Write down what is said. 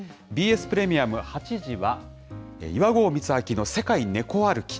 ＢＳプレミアム８時は、岩合光昭の世界ネコ歩き。